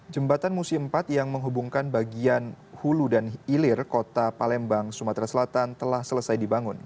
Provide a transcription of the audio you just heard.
jembatan musim empat yang menghubungkan bagian hulu dan hilir kota palembang sumatera selatan telah selesai dibangun